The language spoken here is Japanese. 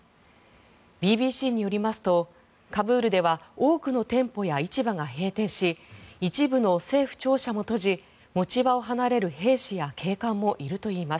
ＢＢＣによりますとカブールでは多くの店舗や市場が閉店し一部の政府庁舎を持ち持ち場を離れる兵士や警官もいるといいます。